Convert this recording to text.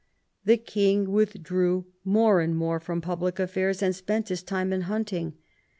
The king withdrew more and more from public affairs, and spent his time in hunting.